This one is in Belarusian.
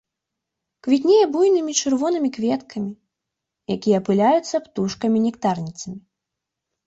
Квітнее буйнымі чырвонымі кветкамі, якія апыляюцца птушкамі нектарніцамі.